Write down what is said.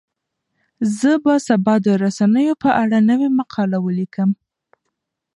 زه به سبا د رسنیو په اړه نوې مقاله ولیکم.